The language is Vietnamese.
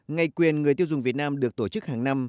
ngày quyền người tiêu dùng việt nam được tổ chức hàng năm